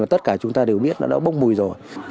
và tất cả chúng ta đều biết đã bốc bùi rồi